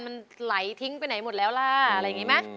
มันไหลทิ้งไปไหนหมดแล้วล่ะอะไรอย่างนี้ไหม